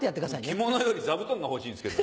着物より座布団が欲しいんですけど。